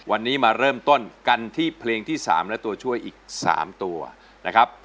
วันนี้มาเริ่มต้นกันที่เพลงที่๓และตัวช่วยอีก๓ตัวนะครับ